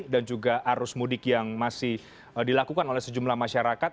dan juga arus mudik yang masih dilakukan oleh sejumlah masyarakat